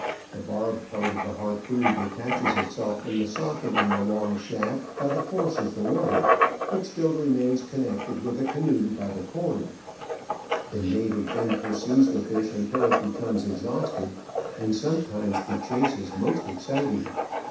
The barbed part of the harpoon detaches itself from the socket in the long shaft by the force of the water, but still remains connected with the canoe by the cord. The native then pursues the fish until it becomes exhausted, and sometimes the chase is most exciting.